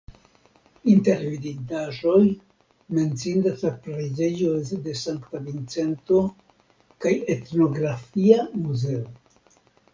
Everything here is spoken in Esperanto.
Inter vidindaĵoj menciindas la preĝejo de Sankta Vincento kaj etnografia muzeo.